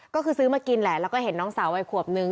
ก็คือซื้อมากินแหละแล้วก็เห็นน้องสาววัยขวบนึง